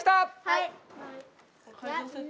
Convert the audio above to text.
はい！